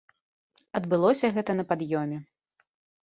Адбылося гэта на пад'ёме.